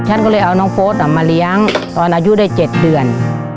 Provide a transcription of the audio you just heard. ฉันก็เลยเอาน้องโฟสมาเลี้ยงตอนอายุได้๗เดือน